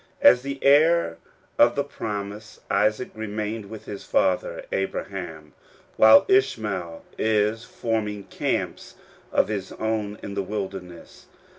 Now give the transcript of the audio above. As the heir of the promise, Isaac remains with his father Abraham, while Ishmael is forming camps of his own in the wilderness.